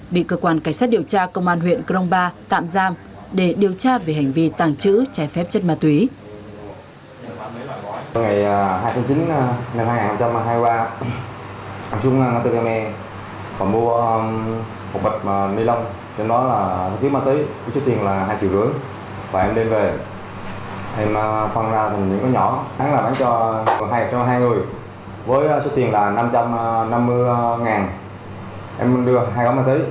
bị cơ quan cảnh sát điều tra công an huyện cờ rông pa tạm giam để điều tra về hành vi tàng trữ trái phép chất ma túy